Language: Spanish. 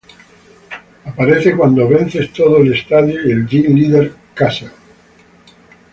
Aparece cuando vences todo el Estadio y el Gym Leader Castle.